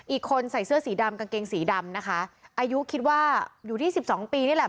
อีกคนใส่เสื้อสีดำกางเกงสีดำนะคะอายุคิดว่าอยู่ที่สิบสองปีนี่แหละ